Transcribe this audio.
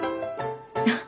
あっ。